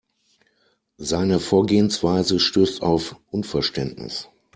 Seine Vorgehensweise stößt auf Unverständnis.